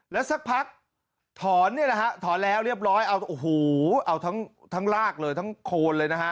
และสักพักถอนแล้วเรียบร้อยเอาทั้งรากเลยทั้งโคลนเลยนะฮะ